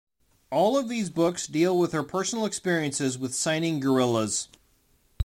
All of these books deal with her personal experiences with signing gorillas.